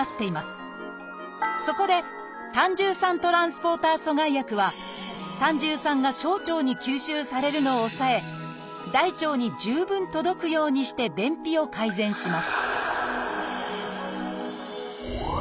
そこで「胆汁酸トランスポーター阻害薬」は胆汁酸が小腸に吸収されるのを抑え大腸に十分届くようにして便秘を改善します